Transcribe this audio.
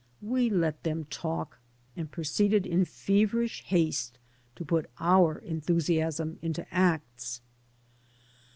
We let them talk, and proceeded in feverish haste to put our enthusiasm into acts.